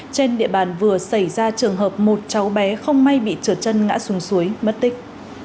trên địa bàn vừa xảy ra trường hợp một cháu bé không may bị trượt chân ngã xuống suối mất tích